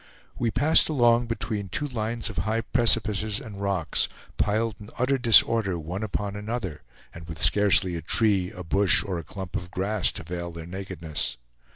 We passed along between two lines of high precipices and rocks, piled in utter disorder one upon another, and with scarcely a tree, a bush, or a clump of grass to veil their nakedness.